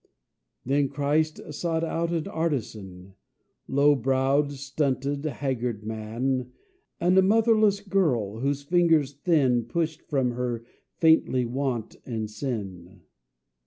Then Christ sought out an artisan, A low browed, stunted, haggard man, And a motherless girl, whose fingers thin Pushed from her faintly want and sin.